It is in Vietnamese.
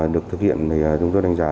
được thực hiện thì chúng tôi đánh giá